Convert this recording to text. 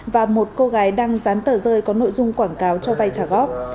và một cô gái đang dán tờ rơi có nội dung quảng cáo cho vay trả góp